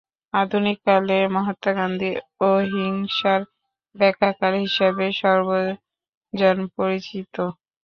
আধুনিককালে মহাত্মা গান্ধী অহিংসার ব্যাখ্যাকার হিসেবে সর্বজন পরিচিত।